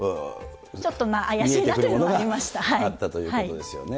ちょっと怪しいなというのがあったということですよね。